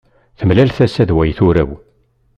Temlal tasa d way turew